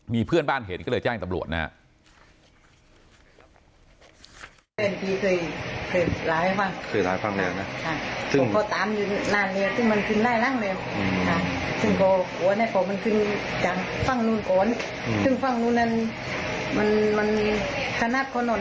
มีเพื่อนบ้านเห็น